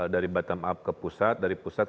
dari bottom up ke pusat dari pusat